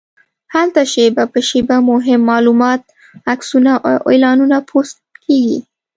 هلته شېبه په شېبه مهم معلومات، عکسونه او اعلانونه پوسټ کېږي.